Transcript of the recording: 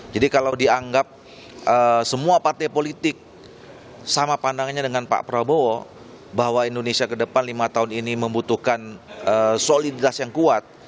jadi kalau dianggap semua partai politik sama pandangannya dengan pak prabowo bahwa indonesia ke depan lima tahun ini membutuhkan soliditas yang kuat